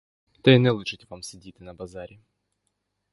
Та й не личить вам сидіти на базарі.